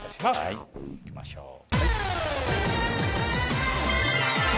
はい行きましょう。